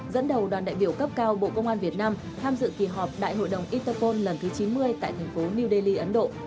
dẫn đầu đoàn đại biểu cấp cao bộ công an việt nam tham dự kỳ họp đại hội đồng itopol lần thứ chín mươi tại thành phố new delhi ấn độ